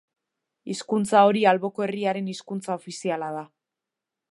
Hizkuntza hori alboko herriaren hizkuntza ofiziala da.